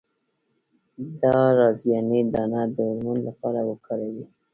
د رازیانې دانه د هورمون لپاره وکاروئ